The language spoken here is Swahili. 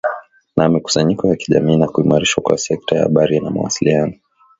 na mikusanyiko ya kijamii na kuimarishwa kwa sekta ya habari na mawasiliano